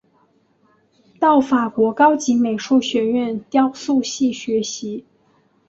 到法国高级美术学院雕塑系学习。